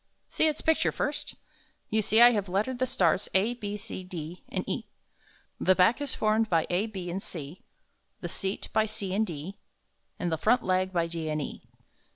See its picture first. You see I have lettered the stars a, b, c, d, and e. The back is formed by a, b and c, the seat by c and d, and the front leg by d and e.